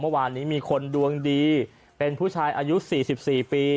เมื่อวานนี้มีคนดวงดีเป็นผู้ชายอายุ๔๔ปี